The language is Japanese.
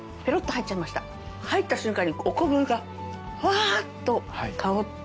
入った瞬間にお昆布がフワーッと香って。